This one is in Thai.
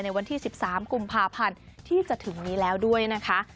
วันที่๑๓กุมภาพันธ์ที่จะถึงนี้แล้วด้วยนะคะ